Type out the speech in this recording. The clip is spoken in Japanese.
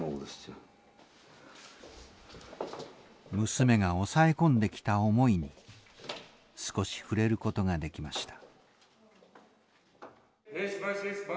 娘が抑え込んできた思いに少し触れることができました。